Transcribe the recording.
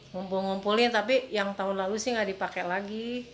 ngumpul ngumpulin tapi yang tahun lalu sih nggak dipakai lagi